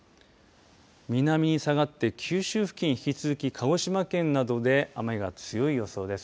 南に下がって九州付近引き続き鹿児島県などで雨が強い予想です。